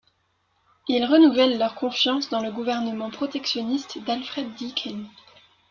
Ils renouvellent leur confiance dans le gouvernement protectionniste d'Alfred Deakin.